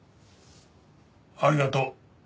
ありがとう。